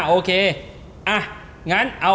โอเค